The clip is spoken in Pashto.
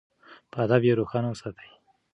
په ادب یې روښانه وساتئ.